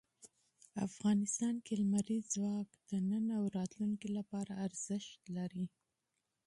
افغانستان کې لمریز ځواک د نن او راتلونکي لپاره ارزښت لري.